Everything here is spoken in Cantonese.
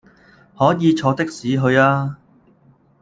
可以坐的士去吖